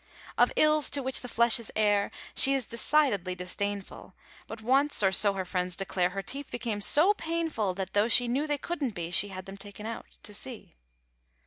Of ills to which the flesh is heir She is decidedly disdainful; But once, or so her friends declare, Her teeth became so painful That, tho' she knew they couldn't be, She had them taken out, to see.